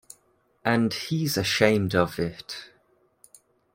And he's ashamed of it.